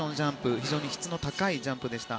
非常に質の高いジャンプでした。